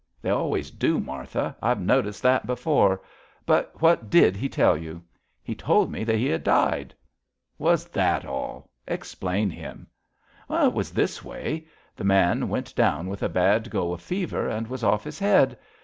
''They always do, Martha. I've noticed that before. But what did he tell you! "'' He told me that he had died." '' Was that all ! Explain him. ''It was this way. The man went down with a bad go of fever and was off his head.